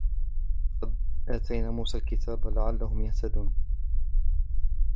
ولقد آتينا موسى الكتاب لعلهم يهتدون